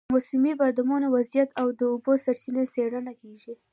د موسمي بادونو وضعیت او د اوبو سرچینې څېړل کېږي.